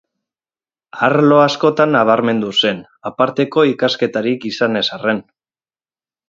Arlo askotan nabarmendu zen, aparteko ikasketarik izan ez arren.